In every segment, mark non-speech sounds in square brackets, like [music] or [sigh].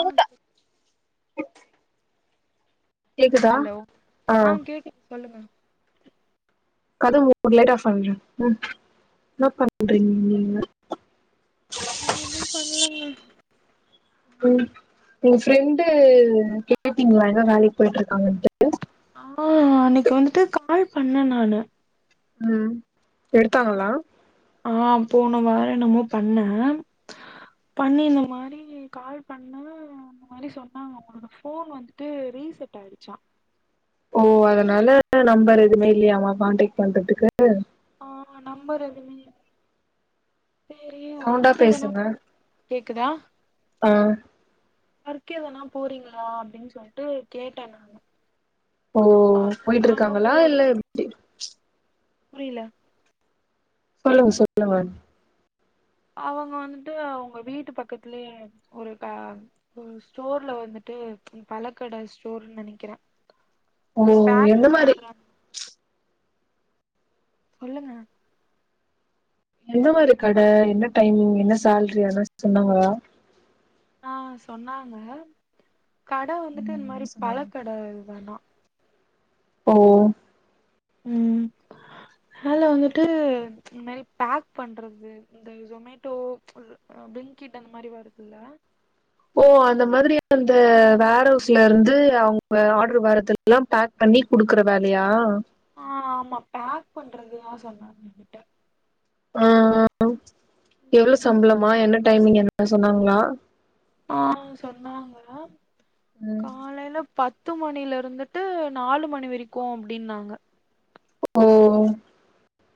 ஆ கேக்குதா ஹலோ ஆ கேக்குது சொல்லுங்க என்ன பண்றீங்க நீங்க நா என்னு பண்லங்க ம் ஒங்க ஃப்ரெண்டு கேட்டீங்ளா என்னா வேலைக்கி போய்ட்ருக்காங்கன்ட்டு ஆ அன்னக்கி வந்துட்டு கால் பண்ணே நானு ம் எடுத்தாங்களா ஆ போன வாரோ என்னமோ பண்ணே பண்ணி இந்த மாரி கால் பண்ணே ஆ அந்த மாரி சொன்னாங்கமா ஃபோன் வந்துட்டு ரீசெட்டாயிடுச்சா ஓ அதனால நம்பர் எதுமே இல்லயாமா கான்டக்ட் பண்றதுக்கு ஆ நம்பர் எதுமேல்ல சேரி சவுண்டா ஒர்க் எதனா பேசுங்க போ கேக்குதா ஆ ஒர்க் எதனா போறீங்களா அப்டின் சொல்ட்டு கேட்டே நானு ஓ ஆ போயிட்ருக்காங்களா அவங்களோட இல்ல புரில சொல்லுங்க சொல்லுங்க அவங்க வந்துட்டு அவுங்க வீட்டு பக்கத்துலயே ஒரு க ஒ ஸ்டோர்ல வந்துட்டு ம் பழக்கட ஸ்டோருன் நெனைக்கிறே ஓ அது பேக் எந்த மாரி பண்றாங் சொல்லுங்க எந்த மாரி கட, என்ன டைமிங் என்ன சேல்ரி எதனா சொன்னாங்ளா ஆ சொன்னாங்க கட வந்துட்டு ம் இந் என்ன மாரி பழ சொன்னாங்க கட இது தானா ஓ ம் வேல வந்துட்டு இந் மாரி பேக் பண்றது இந்த ஜொமேட்டோ அ பில்ங்க்கிட் அந்த மாரி வருதுல்ல ஓ அந்த மாதிரி அந்த வேர்ஹவுஸ்லர்ந்து அவுங்க ஆட்ரு வரதெல் லா பேக் பண்ணி குடுக்கற வேலையா ஆ ஆமா பேக் பண்றது தா சொன்னாங்க எங்கிட்ட ஆ ஆ எவ்ளோ ம். சம்பளமா என்ன டைமிங் என்ன சொன்னாங்ளா ஆ சொன்னாங்க ம் காலையில பத்து மணிலருந்துட்டு நாலு மணி வரிக்கு அப்டின்னாங்க ஓ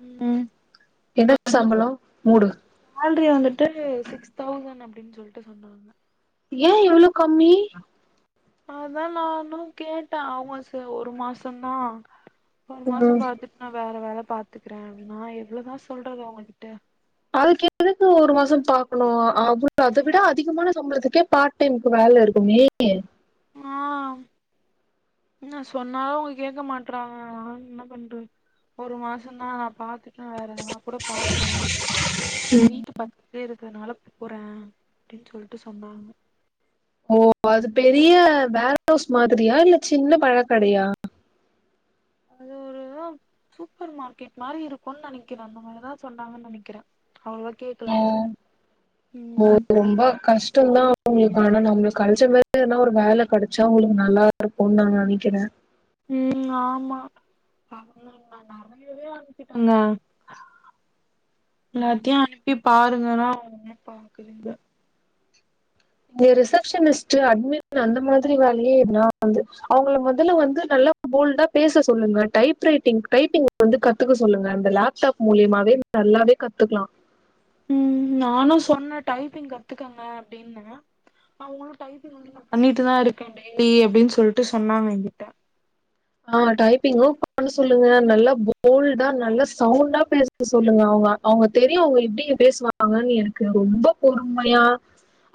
ம் என்ன சம்பளோ மூடு சேல்ரி வந்துட்டு சிக்ஸ் தௌசண் அப்டின் சொல்ட்டு சொன்னாங்க ஏ இவ்ளோ கம்மி அதா நானு கேட்டே அவங் சேர் ஒரு மாசந்தா ஒரு மாசோ ம். பாத்துட் நா வேற வேல பாத்துக்கிறே நா எவ்ளோ தா சொல்றது அவுங்ககிட்ட அதுக்கு எதுக்கு ஒரு மாசோ பாக்கணு அ அவுங்க அத விட அதிகமான சம்பளத்துக்கே பார் டைம்க்கு வேல இருக்குமே ஆ நா சொன்னாலு அவுங்க கேக்க மாட்றாங்க நா என்ன பண்றத் ஒரு மாசந்தா நா பாத்துட்டு வேற எதுனா கூட பாக்கறே வீட்டு பக் கத்துலே இருக்கறனால போறே அப்டின் சொல்ட்டு சொன்னாங்க ஓ அது பெரிய வேர்ஹவுஸ் மாதிரியா இல்ல சின்ன பழ கடையா அது ஒரு சூப்பர் மார்க்கெட் மாரி இருக்குன் நெனைக்கிறே அந்த மாரி தா சொன்னாங்கன் நெனைக்கிறே அவள கேட் ஓ ஓ ரொம்ப கஷ்டந்தா அவுங்களுக் ஆனா நம்ளுக் கெடச்ச மாரி எதுனா ஒரு வேல கெடச்சா அவுங்ளுக்கு நல்லா இருக்குன் நா நெனைக்கிறே ம் ஆமா பாவோ நாங்க நெறையாவே அனுப்பிட்டங்க இங்க எல்லாத்தையு அனுப்பி பாருங்கனா அவுங் ஒன்னுமே பாக்கலீங்க நீங்க ஒரு ரிசப்ஷனிஸ்ட்டு அட்மின் அந்த மாதிரி வேலையே எதுனா வந்து அவுங்கள மொதல்ல வந்து நல்லா போல்டா பேச சொல்லுங்க டைப் ரைட்டிங் டைப்பிங் வந்து கத்துக்க சொல்லுங்க அந்த லேப்டாப் மூலியமாவே நல்லாவே கத்துக்லா ம் நானு சொன்ன டைப்பிங் கத்துக்கங்க அப்டின்னு அவுங்களு டைப்பிங் வந்து நா பண்ணிட்டு தா இருக்கே டெய்லி அப்டின் சொல்ட்டு சொன்னாங்க எங்கிட்ட ஆ டைப்பிங்கு பண்ண சொல்லுங்க நல்லா போல்டா நல்லா சவுண்டா பேச சொல்லுங்க அவுங்க அவுங்க தெரியு அவுங்க எப்டி பேசுவாங்கன் எனக்கு ரொம்ப பொறுமையா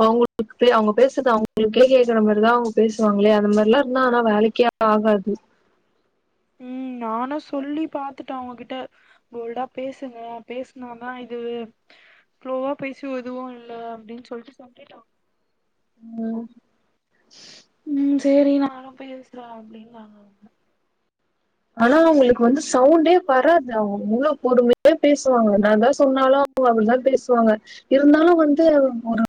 அவுங்களுக் பே அவுங்க பேஸ்ற்து அவுங்களுக்கே கேக்கற மாரி தா அவுங்க பேசுவாங்ளே அந்த மார்ல்லா இருந்தா ஆனா வேலைக்கே ஆகாது ம் நானு சொல்லி பாத்துட்டே அவுங்ககிட்ட போல்டா பேசுங்க பேசுனாதா இது ஃப்ளோவா பேசி உ எதுவு இல்ல அப்டின்னு சொல்ட்டு சொல்லிட்டாங் ம் ம் சேரி நானும் பேசுறே அப்டின் [unintelligible] ஆனா அவுங்களுக்கு வந்து சவுண்டே வராது அவுங் முல்ல பொறுமையா பேசுவாங்க நா தா ஸ் சொன்னாலு அவுங்க அப்டிதா பேசுவாங்க இருந்தாலு வந்து ஒரு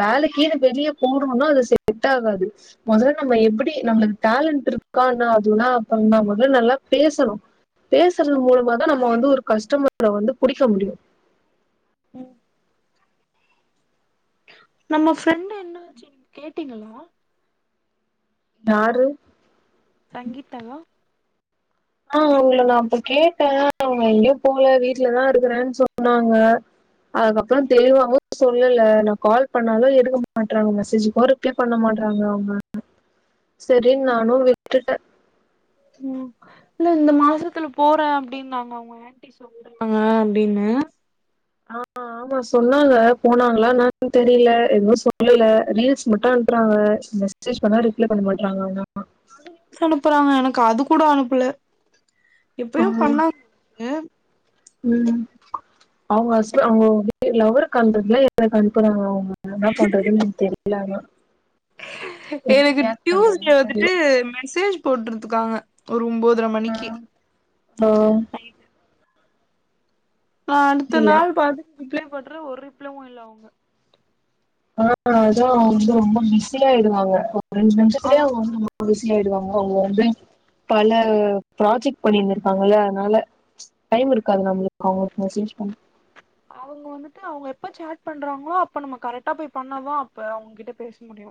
வேலக்கீனு வெளிய போணும்னா அது செட் ஆகாது மொதல்ல நம்ம ம் எப்பிடி நம்ளுக்கு டேலண்ட் இருக்கான்னு அதுல்லா அப்பற [unintelligible] ல நல்லா பேசணு பேசுறது மூலமா தா நம்ம வந்து ஒரு கஸ்டமர வந்து புடிக்க முடியு ம் நம்ம ஃப்ரெண்டு என்ன ஆச்சு கேட்டீங்களா யாரு சங்கீத்தாவா ஆ அவுங்கள நா அப்போ கேட்டே அவுங்க எங்கேயு போல வீட்லதா இருக்கறேன்னு சொன்னாங்க அதுக்கப்புற தெளிவாவு சொல்லல நா கால் பண்ணாலு எடுக்க மாட்டறாங்க மெசேஜுக்கு ரிப்ளை பண்ண மாட்றாங்க அவுங்க சேரின் நானு விட்டுட்டே ம் இல்ல இந்த மாசத்துல போறே அப்டினாங்க அவுங்க ஆன்ட்டி சொல்றேனாங்க அப்டின்னு ஆ ஆ ஆமா சொன்னாங்க போனாங்களா என்னனு தெரில எதுவு சொல்லல ரீல்ஸ் மட்டு அனுப்புறாங்க மெசேஜ் பண்ணா ரிப்ளை பண்ண மாட்றாங்க அவுங்க அம்மா ஸ் அனுப்புறாங்க எனக்கு அது கூட அனுப்பல ஆ எப்பயு பண்ணாங்க ம் அவுங்க ஹஸ்பு அவுங்க லவ்ருக்கு அனுப்றதுல எனக்கு அனுப்புறாங்க அவுங்க என்ன பண்றதுன்னு தெரில ஆனா பே எப்டி எனக்கு ரியாக்ட் டியூஸ்டே பண்றதுன்னு தெரியல வந்துட்டு மெசேஜ் போட்டிருதுக்காங்க ஒரு ஒம்போதர மணிக்கி ஓ நா அடுத்த புரியல நாள் பாத்து ரிப்ளை பன்றே ஒரு ரிப்ளவும் இல்ல அவுங்க ஆ அதா அவங் வந்து ரொம்ப பிஸியா ஆய்டுவாங்க ஒரு ரெண்டு அவ நிமிஷத்துலயே அவுங்க [inaudible] ருசி ஆயிடுவாங்க அவுங்க வந்து பல ப்ராஜெக்ட் பண்ணியிருந்திருக்காங்கல்ல அதனால டைம் இருக்காது நம்மளுக்கு அவுங்களுக்கு மெசேஜ் பண் அவுங்க வந்துட்டு அவுங்க எப்ப சேட் பண்றாங்களோ அப்ப நம்ம கரெக்டா போய் பண்ணாதா அப்ப அவுங்க கிட்ட பேச முடியு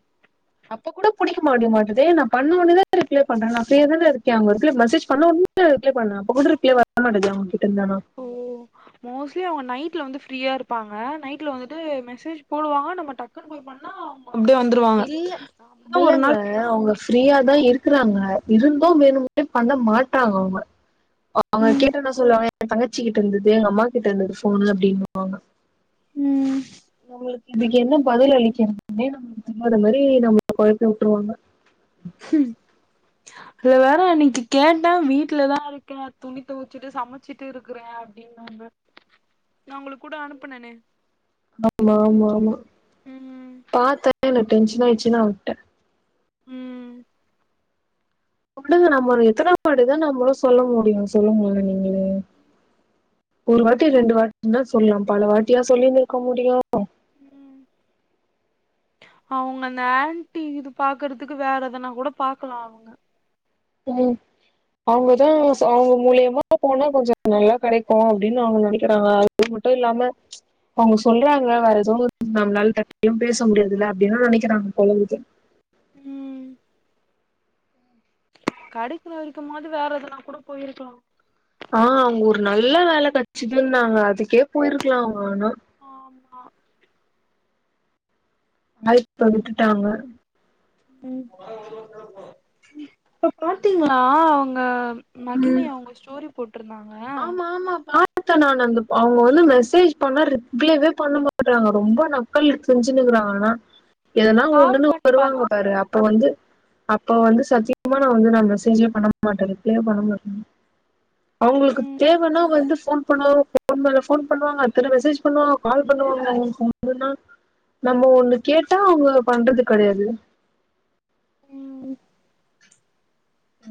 அப்ப கூட புடிக்க மடி மாட்டுதே நான் பண்ண உடனே ரிப்ளை பண்றே நான் பிரீயா தானே இருக்கே அவுங்க மெசேஜ் பண்ண ஒட் ரிப்ளை பண்ணே அப்ப கூட ரிப்ளை வர மாட்டேது அவுங்ககிட்ட இருந்து ஆனா ஓ மோஸ்ட்லி அவுங்க நைட்ல வந்து ஃப்ரீயா இருப்பாங்க நைட்ல வந்துட்டு மெசேஜ் போடுவாங்க நம்ம டக்குன்னு போய் பண்ணா அப்டியே வந்துருவாங்க அப்டிதா ஒரு நாள் பேச ஃப்ரீயாதா இருக்குறாங்க இருந்து வேணும்டே பண்ண மாட்றாங்க அவுங்க அவுங்க ம் கேட்டா என்ன சொல்லுவாங்க என் தங்கச்சி கிட்ட இருந்தது எங்க அம்மா கிட்ட இருந்தது போனுு அப்டின்னுுவாங்க ம் நம்மளுக்கு இதுக்கு என்ன பதில் அளிக்கனும்னே நம்மளுக்கு தெரியாத மாரி நம்மள குழப்பி விட்ருவாங்க ம் இதுல வேற இன்னைக்கி கேட்டே வீட்லதா இருக்கே துணி தொவச்சிட்டு சமச்சிட்டு இருக்கிறே இன்னோம்பு நா ஒங்களுக்கு கூட அனுப்புனேனே ஆமா ஆமா ஆமா ம் பத்தே எனக்கு டென்ஷன் ஆயிடுச்சு நா வுட்டே ம் குடுங்க நம்ம எத்தன வாட்டித நம்மளு சொல்ல முடியு சொல்லுங்களே நீங்களே ஒரு வாட்டி ரெண்டு வாட்டின சொல்லா பல வாட்டியா சொல்லின் இருக்க முடியு ம் அவுங்க அந்த ஆண்டி இது பாக்குறதுக்கு வேற எதனா கூட பாக்கலா அவுங்க ம் அவுங்கதா சொ அவுங்க மூலியமா போனா கொஞ்சோ நல்லா கெடைக்கு அப்டின்னு அவுங்க நெனைக்கிறாங்க இது மட்டு இல்லாம அவுங்க சொல்றாங்க வேற ஏதோ நம்ளால எல்லார்டையு பேச முடியாதுல்ல அப்டின்னா நெனைக்கிறாங்க போல இக்குது ம் கெடைக்குன வரைக்குமாது வேற எதனா கூட போயிருக்லா ஆ அங்க ஒரு நல்ல வேல கெச்சுதுன்னாங்க அதுக்கே போயிருக்லா அவுங்க ஆன ஆமா [unintelligible] விட்டுட்டாங்க ம் இப்ப பாத்தீங்ளா அவுங்க ம். மகிமைய அவுங்க ஸ்டோரி போட்டிருந்தாங்க ஆமா ஆமா பாத்தே நானு அந்த அவுங்க வந்து மெசேஜ் பண்ணா ரிப்ளேவே பண்ணமா ட்றாங்க ரொம்ப நக்கல் செஞ்சுன்னுருக்காங்க ஆனா எதனா கால் ஒண்ணுன்னு பண்ணி வருவாங்க பாத்தீங் பாரு அப் ப வந்து அப்ப வந்து சத்தியமா நா வந்து நா மெசேஜே பண்ண மாட்டே ரிப்ளேயே பண்ண மாட்டே அவுங்களுக்கு ம் னா வந்து ஃபோன் பண்ணுவங்க ஃபோன் மேலே ஃபோன் பண்ணுவாங்க அத்தன மெசேஜ் பண்ணுவாங்க கால் பண்ணுவாங்க ஒண்ணுன்னா நம்ம ஒண்ணு கேட்டா அவுங்க பண்றது கெடையாது ம்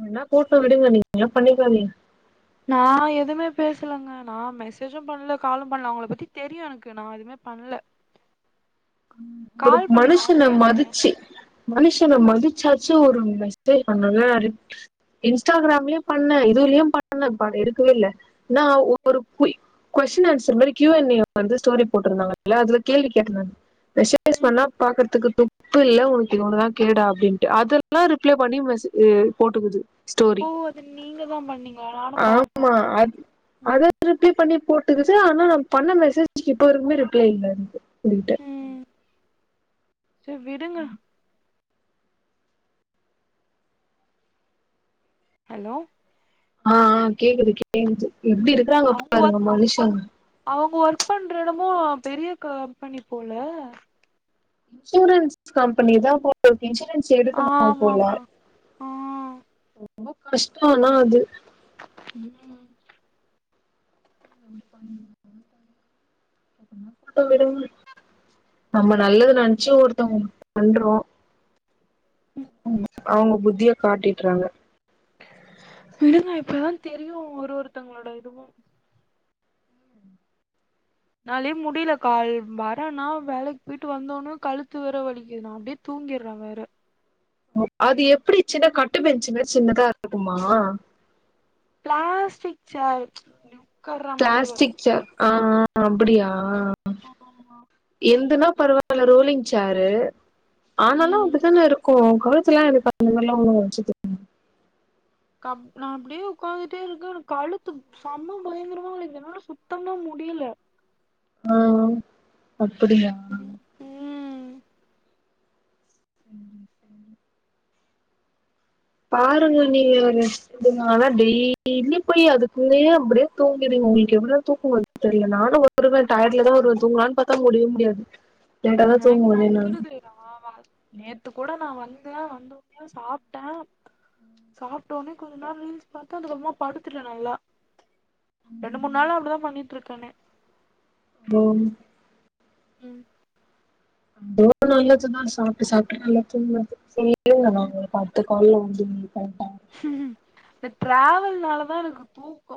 போனா போட்டு விடுங்க நீங்கல்லா பண்ணிக்காதீங்க நா எதுவுமே பேசலங்க நா மெசேஜும் பண்ல காலும் பண்ல அவுங்கள பத்தி தெரியு எனக்கு நா எது மே பண்ல ஒரு கால் பண்ணி மனுஷன பாக்கலையா நீங்க மதிச்சு மனுஷன மதிச்சாச்சு ஒரு மெசேஜ் பண்ணுல ரிப் இன்ஸ்டாகிராம்லையும் பண்ணே இதுலயும் பண்ணே ப எடுக்கவே இல்ல நா ஒரு பொய் கொஸ்டின் ஆன்சர் மாரி கியூஎன்ஏ வந்து ஸ்டோரி போட்டிருந்தாங்களா அதுல கேள்வி கேட்ருந்தாங்க ஸ்டோரிஸ் பண்ணா ம் பாக்ருதுக்கு தூக் உப்பு இல்ல உனக்கு இது ஒன்னு தா கேடா அப்டின்னுட்டு அதெல்லா ரிப்ளே பண்ணி மெசே போட்டுக்குது ஸ்டோரி ஓ அது நீங்க தா பண்ணீங்களா நானு பாத்தே ரிப்ளே பண்ணி போட்டுக்குது ஆனா நா பண்ண மெசேஜக்கு இப்ப வரைக்குமே ரிப்ளே இல்ல என்க்கு [unintelligible] சே விடுங்க ஹலோ ஆ ஆ கேக்குது கேக்குது எப்டி இருக்கறாங்க பாருங்க மனுஷங் அவுங்க ஒர்க் பண்ற இடமும் பெரிய கம்பெனி போல ஸ்டுடென்ட்ஸ்க்கு கம்பெனிதா போ [unintelligible] இன்சூரன்ஸ் எடுக்கணும் போலா ஆமாமா ஆ ரொம்ப கஷ்டோ ஆனா அது ம் போட்டு விடுங்க நம்ம நல்லது நெனச்சி ஒருத்தவங்களுக்கு பண்றோ ம் அவங்க புத்திய காட்டிட்றாங்க விடுங்க இப்பதா தெரியு ஒரு ஒருத்தங்களோட இதுவு என்னாலயே முடியலக்கா வரேன்னா வேலைக்கு போயிட்டு வந்த ஒன்னே கழுத்து வேற வலிக்குது நா அப்டியே தூங்கிர்றே வேற அது எப்டி சின்ன கட்டு பென்ச்சு மாரி சின்னதா இருக்குமா பிளாஸ்டிக் சேர் உக்கார்ற மாரி பிளாஸ்டிக் வரும்ல சேர் ஆ ஆ அப்டியா ஆமா என்துன்னா பரவாயில்ல ரோலிங் சேரு ஆனாலு ம் அப்டித்தான இருக்கு கழுத் துல்லா இது [inaudible] நல்லா வலிச்சது நா அப்டியே உக்காந்துட்டே இருக்கே எனக்கு கழுத்து செம பயங்கரமா வலிக்குது என்னால சுத்தமா முடியல ஓ அப்டியா ம் பாருங்க நீங்க அத இதுனாலாதா டெய்லியு போய் அதுகூடயே அப்டியே தூங்குகிடுவே உங்களுக்கு எவ்ளோ தூக்கோ வரு தெரில நானு வருவே டயர்ட்லதா வருவே தூங்கலான்னு பாத்தா முடியவே முடியாது லேட்டாதா தூங்க முடியு நானு ஆமா நேத்து கூட நா வந்தே வந்த ஒன்னயு சாப்ட்டே சாப்ட்ட ஒன்னே கொஞ்ச நேரோ ரீல்ஸ் பாத்தே அதுக்கப்பறமா படுத்துட்டே நல்லா ரெண்டு மூணு நாளா அப்டிதா பண்ணிட்டுருக்கனே போன் ம் டேவு நல்லாச்சின்னா சாப்ட்டு சாப்ட்டு நல்லா தூங்குறது சரி இருங்க நா அவங்கள பாத்து சொல்ல வந்து இங்கிட்டு வன்ட்டே இந்த டிராவல்னாலதா எனக்கு தூக்கோ